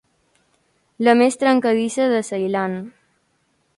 La més trencadissa de Ceilan.